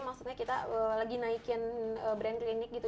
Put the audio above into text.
maksudnya kita lagi naikin brand klinik gitu